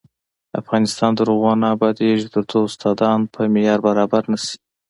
افغانستان تر هغو نه ابادیږي، ترڅو استادان په معیار برابر نشي.